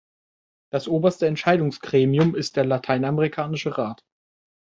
Das oberste Entscheidungsgremium ist der "Lateinamerikanische Rat".